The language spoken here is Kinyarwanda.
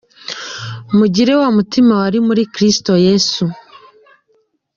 Mugire wa mutima wari muri Kristo Yesu.